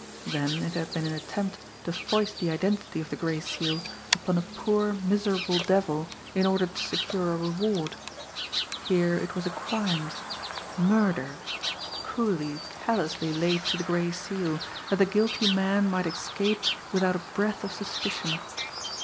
Then it had been an attempt to foist the identity of the Gray Seal upon a poor, miserable devil in order to secure a reward here it was a crime, murder, coolly, callously laid to the Gray Seal, that the guilty man might escape without a breath of suspicion.